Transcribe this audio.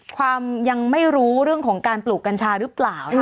ความยังไม่รู้เรื่องของการปลูกกัญชาหรือเปล่า